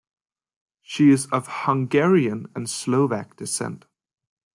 She is of Hungarian and Slovak descent.